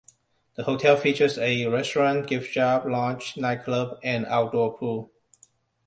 The hotel features a restaurant, gift-shop, lounge, nightclub, and outdoor pool.